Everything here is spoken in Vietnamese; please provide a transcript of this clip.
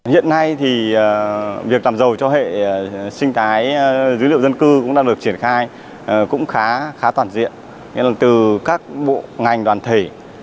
hiện nay thì việc làm giàu cho hệ sinh thái dữ liệu dân cư cũng đang được triển khai cũng khá toàn diện từ các bộ ngành đoàn thể